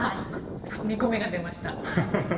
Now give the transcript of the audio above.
２個目が出ました。